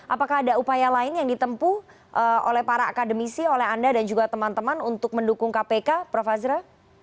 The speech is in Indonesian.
apakah ada upaya lain yang ditempu oleh para akademisi oleh anda dan juga teman teman untuk mendukung kpk prof azra